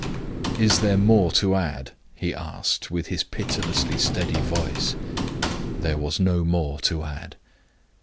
"Is there more to add?" he asked, with his pitilessly steady voice. There was no more to add.